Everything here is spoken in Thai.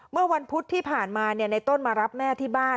เมื่อวันพุธที่ผ่านมาในต้นมารับแม่ที่บ้าน